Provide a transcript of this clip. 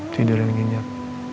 tidur yang kenyap